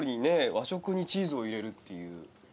和食にチーズを入れるっていう。